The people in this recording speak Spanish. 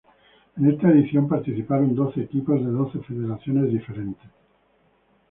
En esta edición participaron doce equipos de doce federaciones diferentes.